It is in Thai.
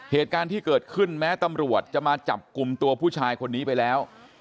เหตุการณ์ที่เกิดขึ้นแม้ตำรวจจะมาจับกลุ่มตัวผู้ชายคนนี้ไปแล้ว